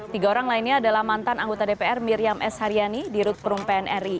tiga orang lainnya adalah mantan anggota dpr miriam s haryani di rut perum pnri